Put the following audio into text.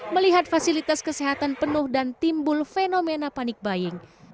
melihat fasilitas kesehatan penuh dan timbul fenomena panik buying